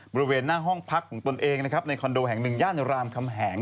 บริเวณหน้าห้องพักของตนเองนะครับในคอนโดแห่งหนึ่งย่านรามคำแหง